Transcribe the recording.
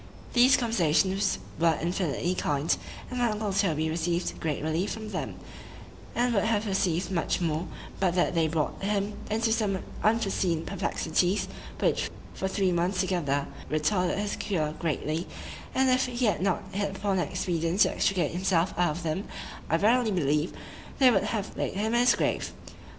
These conversations were infinitely kind; and my uncle Toby received great relief from them, and would have received much more, but that they brought him into some unforeseen perplexities, which, for three months together, retarded his cure greatly; and if he had not hit upon an expedient to extricate himself out of them, I verily believe they would have laid him in his grave.